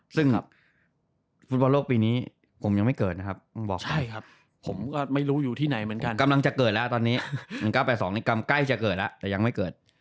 ซึ่งฟุตบอลโลกปีนี้ผมยังไม่เกิดนะครับบอกไปครับผมก็ไม่รู้อยู่ที่ไหนเหมือนกันกำลังจะเกิดแล้วตอนนี้๑๙๘๒นี่กรรมใกล้จะเกิดแล้วแต่ยังไม่เกิด